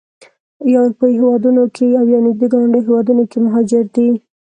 یا اروپایي هېوادونو کې او یا نږدې ګاونډیو هېوادونو کې مهاجر دي.